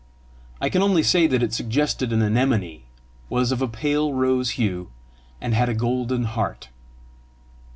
I can only say that it suggested an anemone, was of a pale rose hue, and had a golden heart.